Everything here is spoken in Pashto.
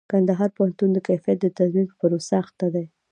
کندهار پوهنتون د کيفيت د تضمين په پروسه اخته دئ.